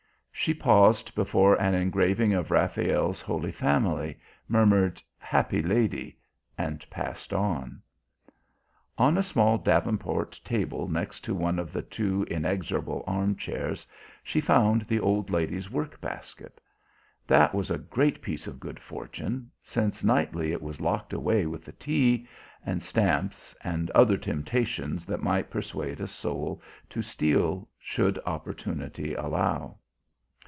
She paused before an engraving of Raphael's Holy Family, murmured "Happy Lady" and passed on. On a small davenport table next to one of the two inexorable armchairs she found the old lady's workbasket. That was a great piece of good fortune, since nightly it was locked away with the tea, the stamps and other temptations that might persuade a soul to steal should opportunity allow.